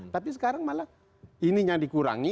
tapi sekarang malah ininya dikurangi